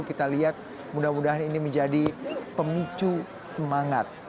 kita lihat mudah mudahan ini menjadi pemicu semangat